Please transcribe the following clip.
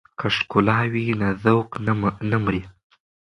که ښکلا وي نو ذوق نه مري.